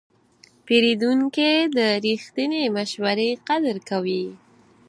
پیرودونکی د رښتینې مشورې قدر کوي.